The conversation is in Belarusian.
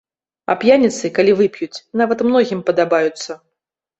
А п'яніцы, калі вып'юць, нават многім падабаюцца.